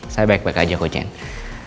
saya baik baik aja kok jane